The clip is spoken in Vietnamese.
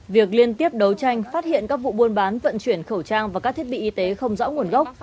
việc liên tiếp đấu tranh phát hiện các vụ buôn bán vận chuyển khẩu trang và các thiết bị y tế không rõ nguồn gốc